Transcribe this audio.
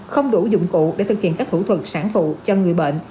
không đủ dụng cụ để thực hiện các thủ thuật sản phụ cho người bệnh